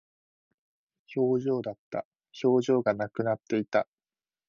表情だった。表情がなくなっていた。